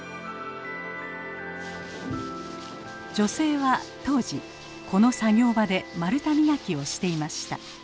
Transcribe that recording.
女性は当時この作業場で丸太磨きをしていました。